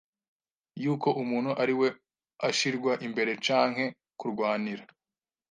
y'uko umuntu ariwe ashirwa imbere canke kurwanira